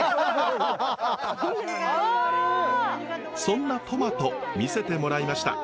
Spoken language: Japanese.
そんなトマト見せてもらいました。